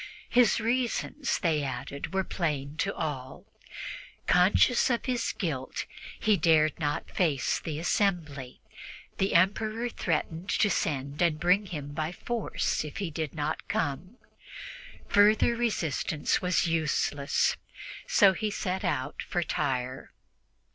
His reasons, they added, were plain to all; conscious of his guilt, he dared not face the assembly. The Emperor threatened to send and bring him by force if he did not come. Further resistance was useless, so he set out for Tyre.